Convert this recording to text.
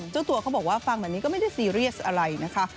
เจ้าตัวเขาบอกว่าฟังแบบนี้ก็ไม่ได้ซีเรียสอะไรนะคะ